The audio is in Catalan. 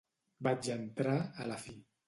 Vaig entrar, a la fi.